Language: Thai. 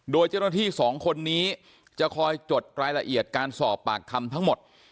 โดยเจ้าหน้าที่สองคนนี้จะคอยจดรายละเอียดการสอบปากคำทั้งหมด